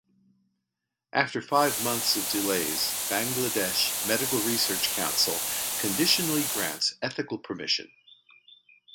After five months of delays Bangladesh Medical Research Council conditionally grants ethical permission.